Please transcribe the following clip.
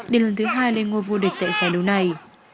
để lần thứ hai lên ngôi vô địch tại giải đấu này